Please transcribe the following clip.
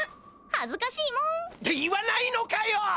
はずかしいもん！って言わないのかよ！